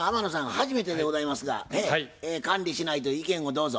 初めてでございますが管理しないという意見をどうぞ。